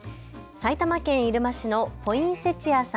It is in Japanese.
埼玉県入間市のポインセチアさん